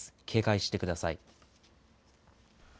警戒してください。